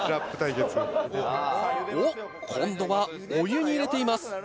・おっ今度はお湯に入れています